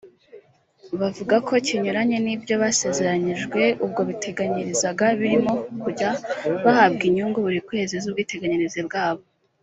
bavuga ko kinyuranye n’ibyo basezeranyijwe ubwo biteganyirizaga birimo kujya bahabwa inyungu buri kwezi z’ubwiteganyirize bwabo